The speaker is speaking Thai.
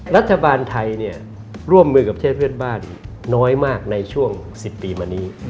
รัฐบาลไทยร่วมมือกับประเทศเพื่อนบ้านน้อยมากในช่วง๑๐ปีมานี้